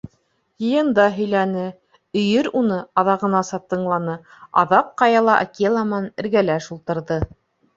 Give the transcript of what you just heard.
Йыйында һөйләне, өйөр уны аҙағынаса тыңланы, аҙаҡ ҡаяла Акела менән эргәләш ултырҙы.